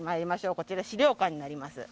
こちら資料館になります。